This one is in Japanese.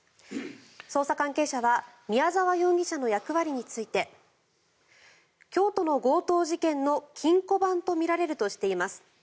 捜査関係者は宮沢容疑者の役割について京都の強盗事件の金庫番とみられるとしています。